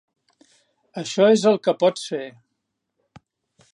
Això és el que pots fer.